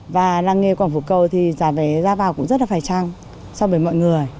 và làng nghề quảng phú cầu thì giá vé ra vào cũng rất là phải trăng so với mọi người